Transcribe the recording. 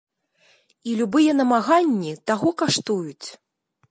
І любыя намаганні таго каштуюць.